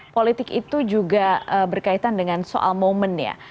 politik itu juga berkaitan dengan soal momen ya